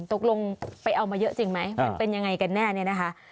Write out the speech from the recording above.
ตกลงไปเอามาเยอะจริงไหมมันเป็นยังไงกันแน่เนี่ยนะคะ